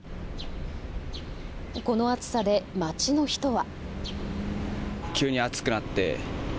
この暑さで町の人は。